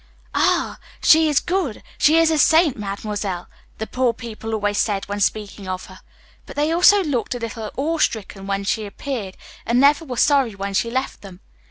"Ah! she is good she is a saint Mademoiselle," the poor people always said when speaking of her; but they also always looked a little awe stricken when she appeared, and never were sorry when she left them.